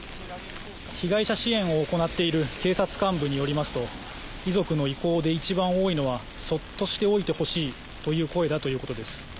被害者支援を行っている警察幹部によりますと遺族の意向で一番多いのは「そっとしておいてほしい」という声だということです。